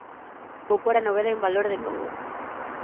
Vou pór a novela en valor de novo.